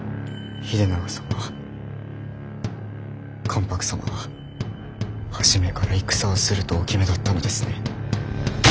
秀長様関白様は初めから戦をするとお決めだったのですね。